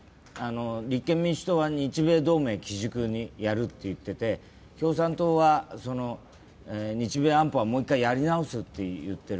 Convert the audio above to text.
立憲民主党は日米同盟を基軸にやると言っていて共産党は日米安保はもう一回やり直すと言っている。